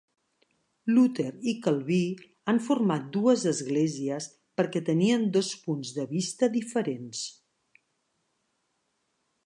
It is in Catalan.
Luter i Calví han format dues Esglésies perquè tenien dos punts de vista diferents.